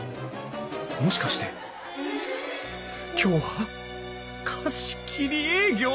もしかして今日は貸し切り営業？